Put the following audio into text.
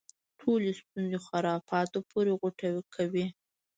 ټولې ستونزې خرافاتو پورې غوټه کوي.